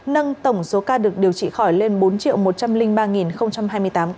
nâng tổng số ca được điều trị khỏi lên bốn một trăm linh ba hai mươi tám ca